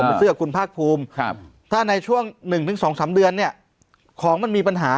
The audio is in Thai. ผมไปซื้อกับคุณภาคภูมิถ้าในช่วงหนึ่งถึงสองสามเดือนเนี่ยของมันมีปัญหา